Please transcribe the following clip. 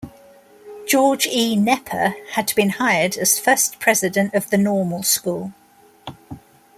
George E. Knepper had been hired as first President of the Normal School.